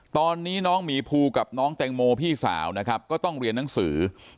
ตอนนี้น้องหมีภูกับน้องแตงโมพี่สาวนะครับก็ต้องเรียนหนังสือ